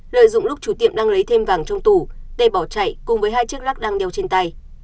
lợi dụng lúc chủ tiệm đang lấy thêm vàng trong tủ tê bỏ chạy cùng với hai chiếc lắc đang đeo trên tay